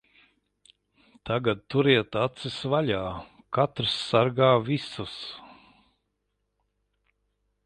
Tagad turiet acis vaļā. Katrs sargā visus.